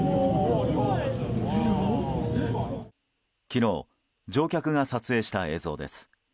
昨日、乗客が撮影した映像です。